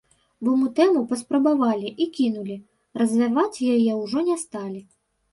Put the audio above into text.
Бо мы тэму паспрабавалі, і кінулі, развіваць яе ўжо не сталі.